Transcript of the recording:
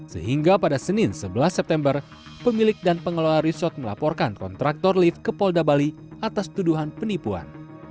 sehingga pada senin sebelas september pemilik dan pengelola resort melaporkan kontraktor lift ke polda bali atas tuduhan penipuan